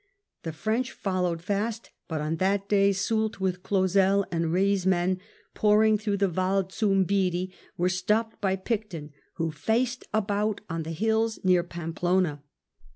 The French followed fast, but on that day Soult, with Clausel and Reille's men, pouring through the Val Zubiri, were stopped by Picton who faced about on the hills near Pampelima.